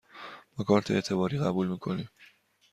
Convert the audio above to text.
ما کارت اعتباری قبول می کنیم.